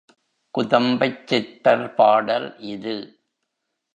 குதம்பைச் சித்தர் பாடல் இது.